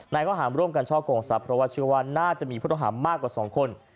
ข้อหารร่วมกันช่อกงทรัพย์เพราะว่าเชื่อว่าน่าจะมีผู้ต้องหามากกว่า๒คน